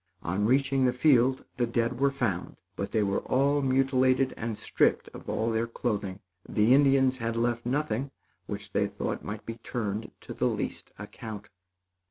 On reaching the field, the dead were found, but they were all mutilated and stripped of all their clothing. The Indians had left nothing which they thought might be turned to the least account.